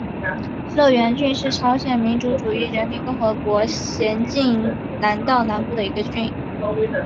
乐园郡是朝鲜民主主义人民共和国咸镜南道南部的一个郡。